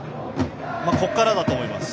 ここからだと思います。